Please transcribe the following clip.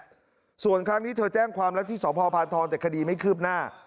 นี่แหละส่วนครั้งนี้เธอแจ้งความรักที่สพทแต่คดีไม่คืบหน้า